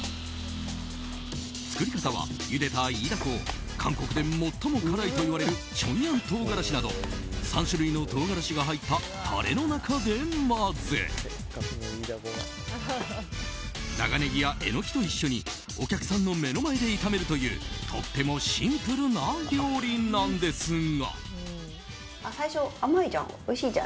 作り方は、ゆでたイイダコを韓国で最も辛いといわれるチョンヤン唐辛子など３種類の唐辛子が入ったタレの中で混ぜ長ネギやエノキと一緒にお客さんの目の前で炒めるというとってもシンプルな料理なんですが。